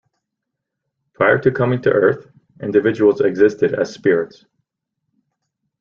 Prior to coming to earth, individuals existed as spirits.